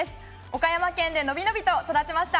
岡山県でのびのびと育ちました。